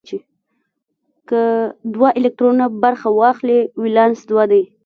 که دوه الکترونونه برخه واخلي ولانس دوه دی.